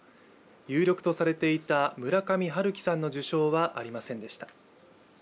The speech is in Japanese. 有力とされていた村上春樹さんの受賞はありませんでした。